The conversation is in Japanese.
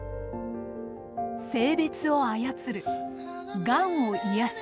性別を操るがんを癒やす。